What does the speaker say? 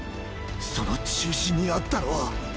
その中心にあったのは。